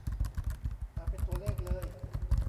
เอาเป็นตัวเลขเลย